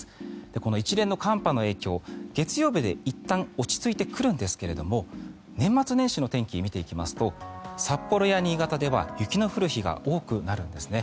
この一連の寒波の影響、月曜日でいったん落ち着いてくるんですが年末年始の天気を見ていきますと札幌や新潟では雪の降る日が多くなるんです。